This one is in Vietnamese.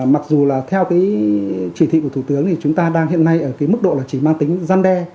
mặc dù là theo cái chỉ thị của thủ tướng thì chúng ta đang hiện nay ở cái mức độ là chỉ mang tính gian đe